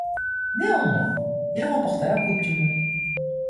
Néanmoins, il remporta la coupe du monde.